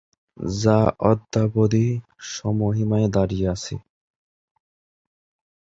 যা অদ্যাবধি স্বমহিমায় দাঁড়িয়ে আছে।